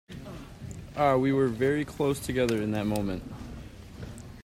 Ah, we were very close together in that moment.